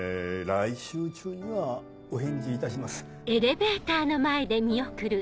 来週中にはお返事いたします。